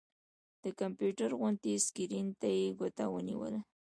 د کمپيوټر غوندې سکرين ته يې ګوته ونيوله